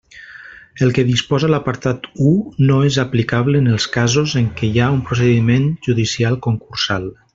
El que disposa l'apartat u no és aplicable en els casos en què hi ha un procediment judicial concursal.